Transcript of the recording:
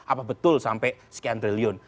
apa betul sampai sekian triliun